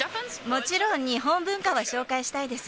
もちろん、日本文化は紹介したいです。